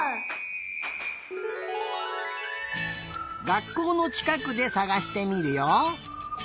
がっこうのちかくでさがしてみるよ。